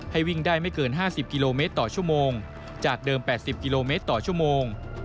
วิ่งได้ไม่เกิน๕๐กิโลเมตรต่อชั่วโมงจากเดิม๘๐กิโลเมตรต่อชั่วโมง